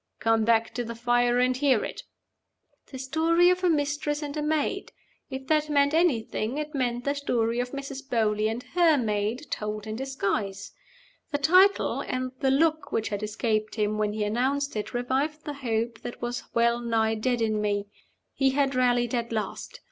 Come back to the fire and hear it." The Story of a Mistress and a Maid? If that meant anything, it meant the story of Mrs. Beauly and her maid, told in disguise. The title, and the look which had escaped him when he announced it, revived the hope that was well nigh dead in me. He had rallied at last.